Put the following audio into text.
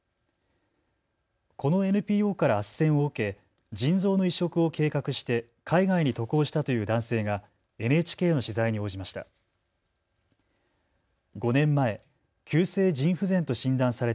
このＮＰＯからあっせんを受け腎臓の移植を計画して海外に渡航したという男性がＮＨＫの取材に応じました。